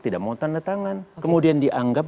tidak mau tanda tangan kemudian dianggap